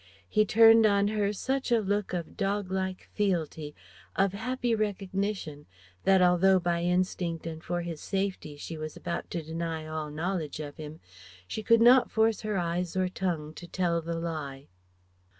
He turned on her such a look of dog like fealty, of happy recognition that although, by instinct and for his safety, she was about to deny all knowledge of him, she could not force her eyes or tongue to tell the lie.